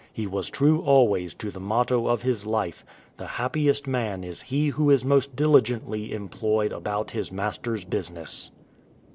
He was true always to the motto of his life •'* Tlie Jiajipiest man is he who is most diUgeiitltj einployed ahoict his Master'^s business.